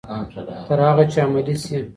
تر هغه چې عملي شي.